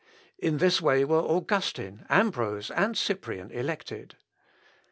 In this way were Augustine, Ambrose, and Cyprian elected.